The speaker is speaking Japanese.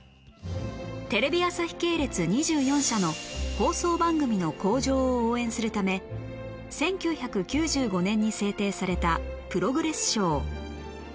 テレビ朝日系列２４社の放送番組の向上を応援するため１９９５年に制定されたプログレス賞